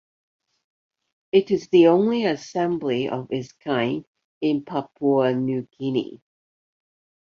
It is the only Assembly of its kind in Papua New Guinea.